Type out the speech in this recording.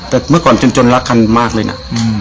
แต่เมื่อก่อนจนรักกันมากเลยนะ